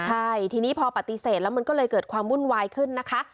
ใช่ทีนี้พอปฏิเสธแล้วมันก็เลยเกิดความวุ่นวายขึ้นนะคะ